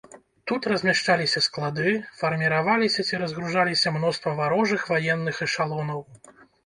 Тут размяшчаліся склады, фарміраваліся ці разгружаліся мноства варожых ваенных эшалонаў.